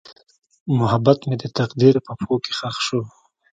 محبت مې د تقدیر په پښو کې ښخ شو.